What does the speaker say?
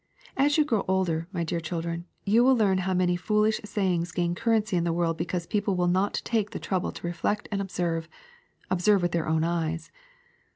As you grow older, my dear children, you will learn how many foolish say ings gain currency in the world because people will not take the trouble to reflect and observe — observe with their own eyes.